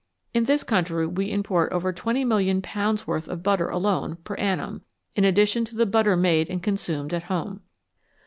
In this country we import over ,20,000,000 worth of butter alone per annum, in addition to the butter made and consumed at home.